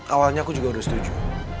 awalnya aku juga udah setuju